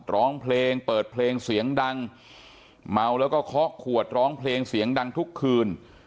ร้องเพลงเปิดเพลงเสียงดังเมาแล้วก็เคาะขวดร้องเพลงเสียงดังทุกคืน